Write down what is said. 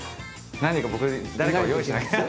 何か僕誰かを用意しなきゃ。